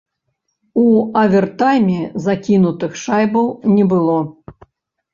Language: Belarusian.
У авертайме закінутых шайбаў не было.